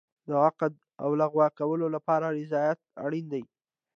د عقد او لغوه کولو لپاره رضایت اړین دی.